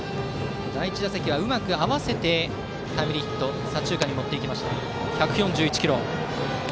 第１打席はうまく合わせてタイムリーヒットを左中間に持っていきました。